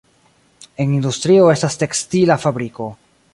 En industrio estas tekstila fabriko.